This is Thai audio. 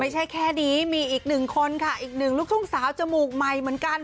แค่นี้มีอีกหนึ่งคนค่ะอีกหนึ่งลูกทุ่งสาวจมูกใหม่เหมือนกัน